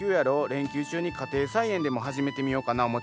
連休中に家庭菜園でも始めてみようかな思ててな。